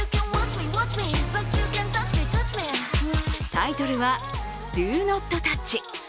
タイトルは「Ｄｏｎｏｔｔｏｕｃｈ」。